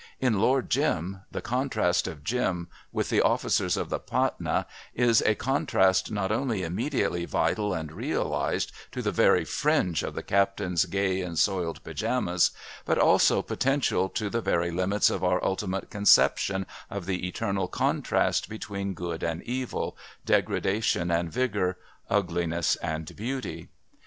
In Lord Jim the contrast of Jim with the officers of the Patna is a contrast not only immediately vital and realised to the very fringe of the captain's gay and soiled pyjamas, but also potential to the very limits of our ultimate conception of the eternal contrast between good and evil, degradation and vigour, ugliness and beauty.